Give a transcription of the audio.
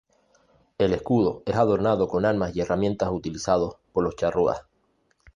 El escudo es adornado con armas y herramientas utilizados por los charrúas.